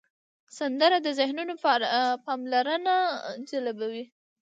سندره د ذهنونو پاملرنه جلبوي